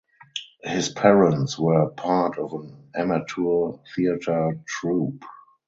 His parents were part of an amateur theatre troupe.